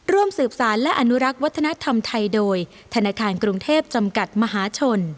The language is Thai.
ร่วมสืบสารและอนุรักษ์วัฒนธรรมไทยโดยธนาคารกรุงเทพจำกัดมหาชน